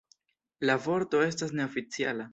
La vorto estas neoficiala.